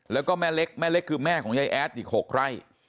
แล้วก็แม่เล็กแม่เล็กคือแม่ของยายแอดอีก๖ไร่